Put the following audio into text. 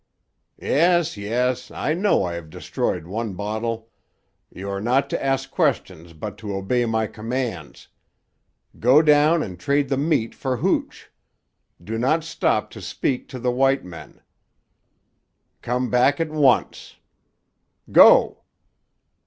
Yes, yes; I know I have destroyed one bottle. You are not to ask questions but to obey my commands. Go down and trade the meat for hooch. Do not stop to speak to the white men. Come, back at once. Go!"